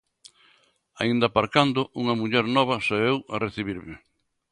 Aínda aparcando, unha muller nova saíu a recibirme.